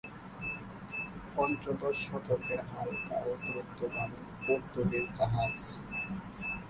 পঞ্চদশ শতকের হালকা ও দ্রুতগামী পর্তুগীজ জাহাজ।